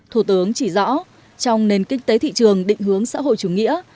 thủ tướng chỉ rõ trong nền kinh tế thị trường định hướng xã hội chủ nghĩa